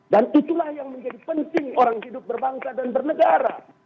dan itulah yang menjadi penting orang hidup berbangsa dan bernegara